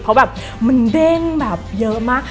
เพราะแบบมันเด้งแบบเยอะมาก